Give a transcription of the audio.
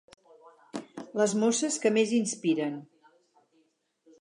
Les mosses que més inspiren.